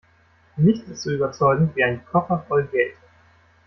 Nichts ist so überzeugend wie ein Koffer voll Geld.